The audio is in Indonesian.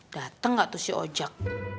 dateng gak tuh si ojak